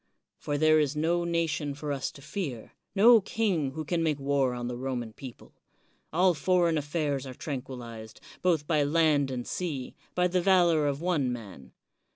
For there is no nation for us to fear, — ^no king who can make war on the Roman people. All foreign affairs are tranquilized, both by land and sea, by the valor of one man.